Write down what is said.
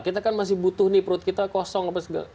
kita kan masih butuh nih perut kita kosong